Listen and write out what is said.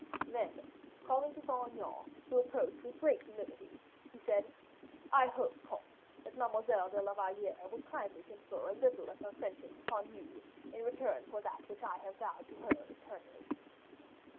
Then calling to Saint Aignan, who approached with great humility, he said, "I hope, comte, that Mademoiselle de la Valliere will kindly confer a little of her friendship upon you, in return for that which I have vowed to her eternally."